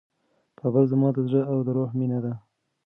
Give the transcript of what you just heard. کابل زما د زړه او د روح مېنه ده.